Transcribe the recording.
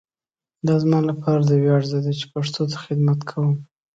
دا زما لپاره د ویاړ ځای دی چي پښتو ته خدمت کوؤم.